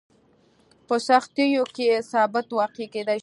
په سختیو کې ثابت واقع کېدای شي.